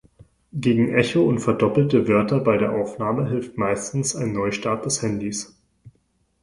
Gegen Echo und "verdoppelte" Wörter bei der Aufnahme hilft meistens ein Neustart des Handys.